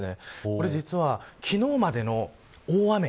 これ、実は昨日までの大雨